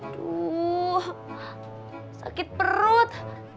aduh sakit perut